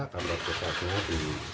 kamu bisa lihat di